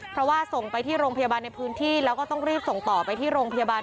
เพราะว่าส่งไปที่โรงพยาบาลในพื้นที่แล้วก็ต้องรีบส่งต่อไปที่โรงพยาบาล